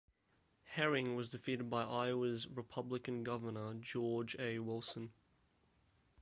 Herring was defeated by Iowa's Republican Governor, George A. Wilson.